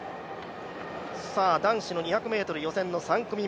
男子の２００ｍの予選の第３組。